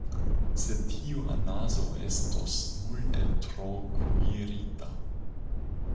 Sed tiu anaso estos multe tro kuirita!